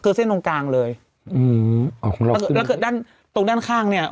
คือเส้นตรงกลางเลยอ๋อคงรอบขึ้นแล้วคือด้านตรงด้านข้างเนี่ย